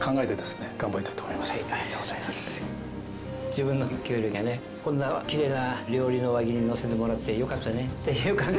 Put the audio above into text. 自分のきゅうりがねこんなきれいな料理の脇にのせてもらって「よかったね」っていう感じ。